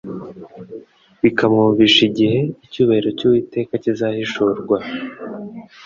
bikamwumvisha igihe "icyubahiro cy'Uwiteka kizahishurwa,